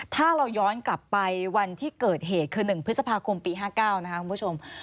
ถ้าเราย้อนกลับไปวันที่เกิดเหตุคือ๑พฤษภาคมปี๕๙นะคะคุณผู้ชม